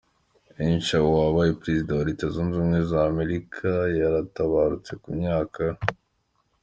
Eisenhower, wabaye perezida wa wa Leta zunze ubumwe za Amerika yaratabarutse, ku myaka .